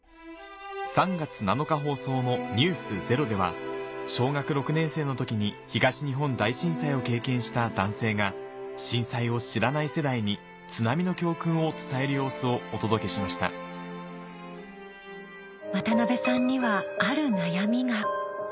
３月７日放送の『ｎｅｗｓｚｅｒｏ』では小学６年生の時に東日本大震災を経験した男性が震災を知らない世代に津波の教訓を伝える様子をお届けしました渡さんにはある悩みが。